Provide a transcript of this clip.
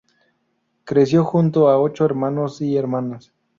Creció junto a ocho hermanos y hermanas.